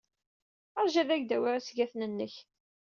Ṛju ad ak-d-awiɣ isgaten-nnek.